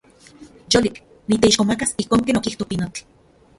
Yolik. Niteixkomakas ijkon ken okijto pinotl.